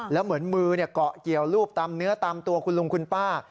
แล้วเหมือนมือเกาะเกี่ยวรูปตามเนื้อตามตัวคุณลุงคุณป้า